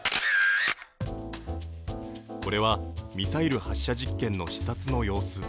これは、ミサイル発射実験の視察の様子。